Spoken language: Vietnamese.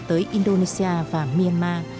tới indonesia và myanmar